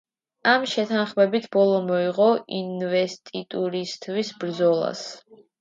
ამ შეთანხმებით ბოლო მოეღო ინვესტიტურისათვის ბრძოლას.